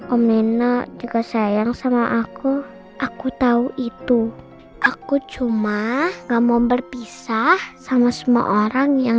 omena juga sayang sama aku aku tahu itu aku cuma nggak mau berpisah sama semua orang yang